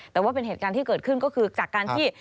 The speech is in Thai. แต่ว่าเป็นเหตุการณ์ที่เกิดขึ้นก็คือจากการที่